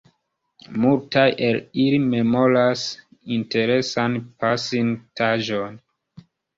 Multaj el ili memoras interesan pasin-taĵon.